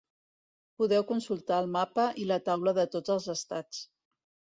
Podeu consultar el mapa i la taula de tots els estats.